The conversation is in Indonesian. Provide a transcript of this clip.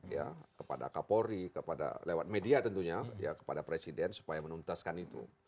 ya kepada kapolri kepada lewat media tentunya ya kepada presiden supaya menuntaskan itu